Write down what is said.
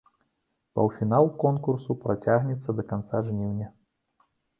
Паўфінал конкурсу працягнецца да канца жніўня.